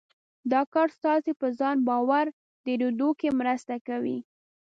دا کار ستاسې په ځان باور ډېرېدو کې مرسته کوي.